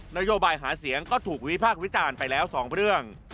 โยบายหาเสียงก็ถูกวิพากษ์วิจารณ์ไปแล้ว๒เรื่อง